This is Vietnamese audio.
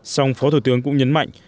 xong phó thủ tướng cũng nhấn mạnh